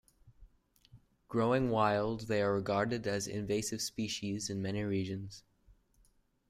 Growing wild, they are regarded as invasive species in many regions.